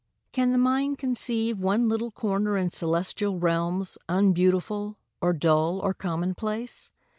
Can the mind conceive One little corner in celestial realms Unbeautiful, or dull or commonplace?